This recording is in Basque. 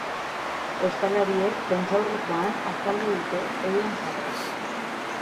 Ostalariek prentsaurrekoan azaldu dute euren jarrera.